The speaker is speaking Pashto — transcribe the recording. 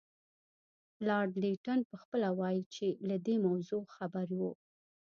لارډ لیټن پخپله وایي چې له دې موضوع خبر وو.